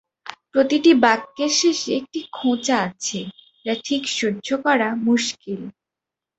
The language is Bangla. প্রতিটি বাক্যের শেষে একটি খোঁচা আছে, যা ঠিক সহ্য করা মুশকিল।